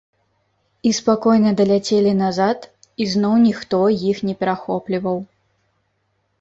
І спакойна даляцелі назад, і зноў ніхто іх не перахопліваў.